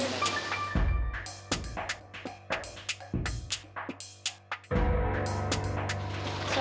tidak ada yang bisa